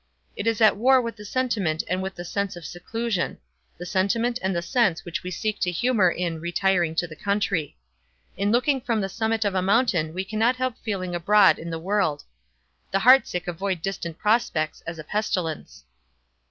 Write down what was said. It is at war with the sentiment and with the sense of seclusion—the sentiment and sense which we seek to humor in 'retiring to the country.' In looking from the summit of a mountain we cannot help feeling abroad in the world. The heart sick avoid distant prospects as a pestilence."